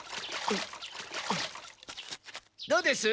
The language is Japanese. どうです？